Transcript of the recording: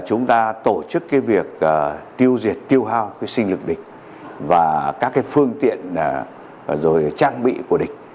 chúng ta tổ chức việc tiêu diệt tiêu hao sinh lực địch và các cái phương tiện rồi trang bị của địch